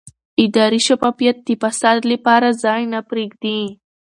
اداري شفافیت د فساد لپاره ځای نه پرېږدي